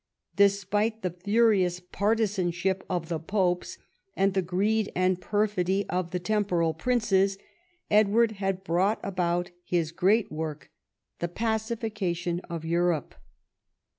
Despite the furious partisanship of the popes and the greed and perfidy of the temporal princes, Edward had brought about his great work, the pacification of Europe.